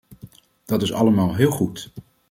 Dat is allemaal heel goed.